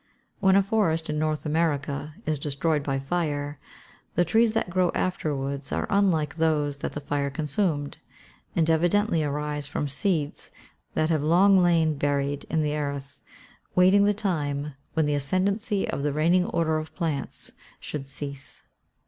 When a forest in North America is destroyed by fire, the trees that grow afterwards are unlike those that the fire consumed, and evidently arise from seeds that have long lain buried in the earth, waiting the time when the ascendancy of the reigning order of plants should cease.